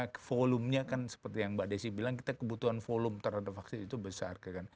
karena volumenya kan seperti yang mbak desi bilang kita kebutuhan volume terhadap vaksin itu besar